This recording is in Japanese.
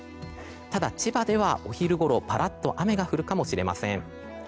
ただ、千葉ではお昼ごろぱらっと雨が降るかもしれません。